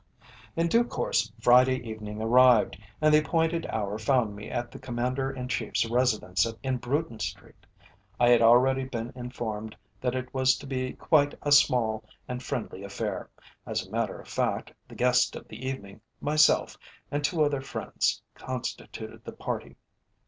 In due course Friday evening arrived, and the appointed hour found me at the Commander in Chief's residence in Bruton Street. I had already been informed that it was to be quite a small and friendly affair as a matter of fact, the guest of the evening, myself, and two other friends, constituted the party.